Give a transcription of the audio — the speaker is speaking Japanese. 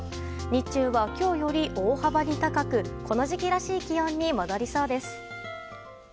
日中は今日より大幅に高くこの時期らしい気温に戻りそうです。